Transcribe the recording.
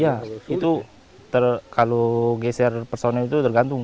ya itu kalau geser personel itu tergantung